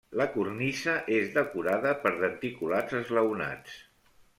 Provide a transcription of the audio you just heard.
La cornisa és decorada per denticulats esglaonats.